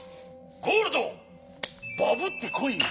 ゴールドバブッてこいよ！